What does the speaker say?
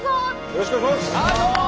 よろしくお願いします！